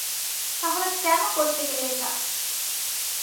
তাহলে কেন করতে গেলে এটা?